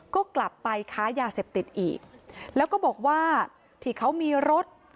ก็กลับไปค้ายาเสพติดอีกแล้วก็บอกว่าที่เขามีรถ